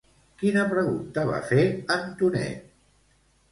Quina pregunta va fer Antonet?